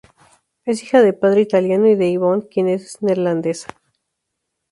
Es hija de padre italiano y de Yvonne, quien es neerlandesa.